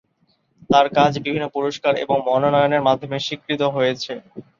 তার কাজ বিভিন্ন পুরস্কার এবং মনোনয়নের মাধ্যমে স্বীকৃত হয়েছে।